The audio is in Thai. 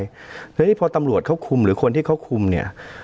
เพราะฉะนั้นพอตำรวจเขาคุมหรือคนที่เขาคุมเนี่ย